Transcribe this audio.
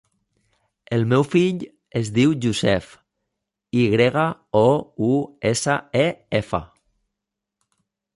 El meu fill es diu Yousef: i grega, o, u, essa, e, efa.